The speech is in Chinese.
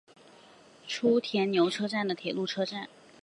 初田牛车站的铁路车站。